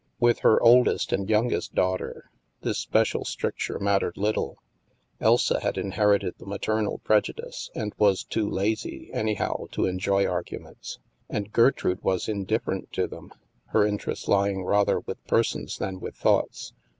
With her oldest and youngest daughter this spe cial stricture mattered little; Elsa had inherited the maternal prejudice, and was too lazy, anyhow, to enjoy arguments. And Gertrude was indifferent to them, her interest lying rather with persons than with thoughts.